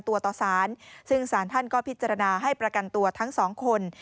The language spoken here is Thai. ตัวต่อสารซึ่งสารท่านก็พิจารณาให้ประกันตัวทั้งสองคน